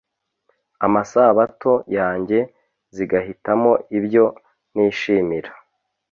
amasabato yanjye zigahitamo ibyo nishimira